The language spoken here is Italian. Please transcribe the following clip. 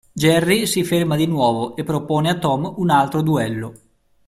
Jerry si ferma di nuovo e propone a Tom un altro duello.